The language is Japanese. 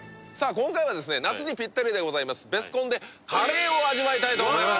今回はですね夏にピッタリでございますベスコンでカレーを味わいたいと思います